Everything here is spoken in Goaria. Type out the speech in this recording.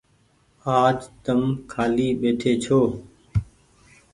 آج تم کآلي ٻيٺي ڇو۔